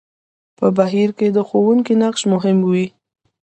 په بهير کې د ښوونکي نقش مهم وي.